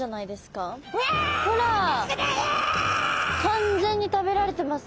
完全に食べられてます。